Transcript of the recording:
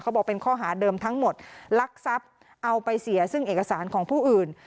บอกเป็นข้อหาเดิมทั้งหมดลักทรัพย์เอาไปเสียซึ่งเอกสารของผู้อื่น